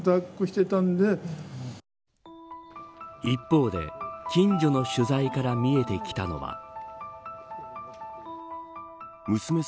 一方で、近所の取材から見えてきたのは。